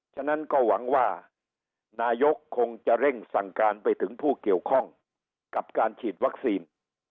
ฉะนั้นก็หวังว่านายกคงจะเร่งสั่งการไปถึงผู้เกี่ยวข้องกับการฉีดวัคซีน